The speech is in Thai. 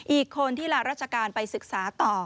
อีกคนที่ลาราชการไปศึกษาต่อ